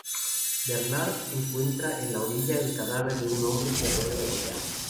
Bernard encuentra en la orilla el cadáver de un hombre que ha sido degollado.